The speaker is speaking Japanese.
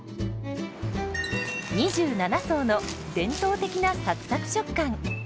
２７層の伝統的なサクサク食感。